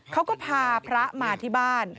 เขาก็พาพระมาที่บ้าน